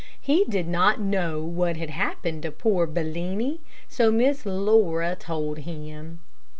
He did not know what had happened to poor Bellini, so Miss Laura told him.